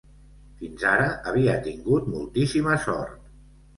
Fins ara, havia tingut moltíssima sort.